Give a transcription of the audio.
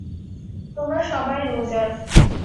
তোমরা সবাই লুজার।